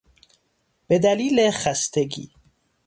به دلیل خستگی